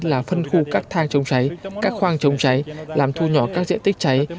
là phân khu các thang chống cháy các khoang chống cháy làm thu nhỏ các diện tích cháy